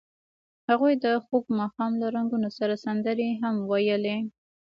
هغوی د خوږ ماښام له رنګونو سره سندرې هم ویلې.